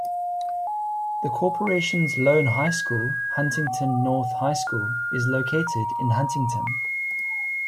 The corporation's lone high school, Huntington North High School, is located in Huntington.